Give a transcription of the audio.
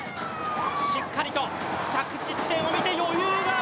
しっかりと着地地点を見て、余裕がある。